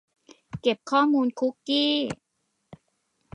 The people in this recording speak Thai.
เก็บข้อมูลคุกกี้